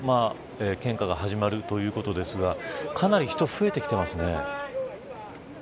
献花が始まるということですがかなり人、増えてきていますね。